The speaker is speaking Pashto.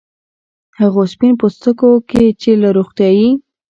هغو سپین پوستکو کې چې له روغتیايي